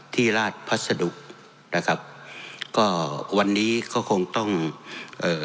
ที่ราชพัสดุนะครับก็วันนี้ก็คงต้องเอ่อ